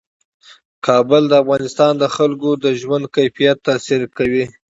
کابل د افغانستان د خلکو د ژوند کیفیت تاثیر کوي.